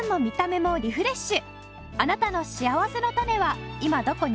あなたのしあわせのたねは今どこに？